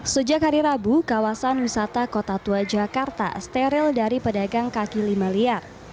sejak hari rabu kawasan wisata kota tua jakarta steril dari pedagang kaki lima liar